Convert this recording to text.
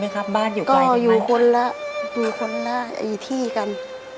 แม่คืออยู่คนล่ะละอยู่ที่กัน